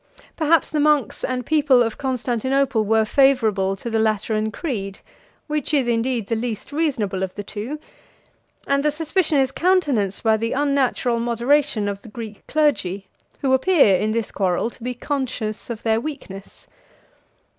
Perhaps the monks and people of Constantinople 106 were favorable to the Lateran creed, which is indeed the least reasonable of the two: and the suspicion is countenanced by the unnatural moderation of the Greek clergy, who appear in this quarrel to be conscious of their weakness.